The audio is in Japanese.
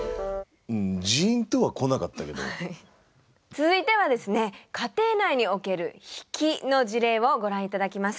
続いてはですね家庭内における引きの事例をご覧頂きます。